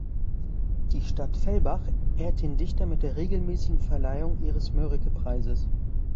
Die Stadt Fellbach ehrt den Dichter mit der regelmäßigen Verleihung ihres Mörike-Preises.